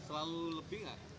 selalu lebih gak